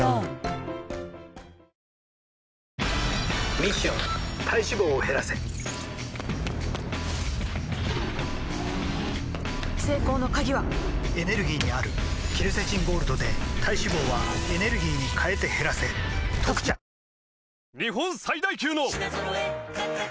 ミッション体脂肪を減らせ成功の鍵はエネルギーにあるケルセチンゴールドで体脂肪はエネルギーに変えて減らせ「特茶」ガーシー